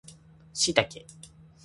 シイタケ